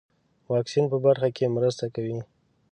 واکسین په برخه کې مرسته کوي.